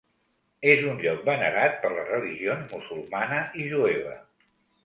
És un lloc venerat per les religions musulmana i jueva.